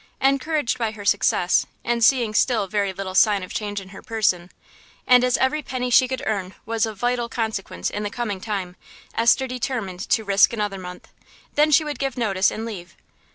Encouraged by her success, and seeing still very little sign of change in her person, and as every penny she could earn was of vital consequence in the coming time, Esther determined to risk another month; then she would give notice and leave.